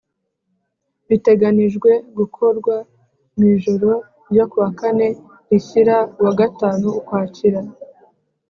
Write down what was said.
biteganijwe gukorwa mu ijoro ryo ku wa kane rishyira uwa gatanu ukwakira